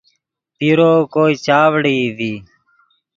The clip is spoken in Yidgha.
پیرو کوئے چاڤڑئی ڤی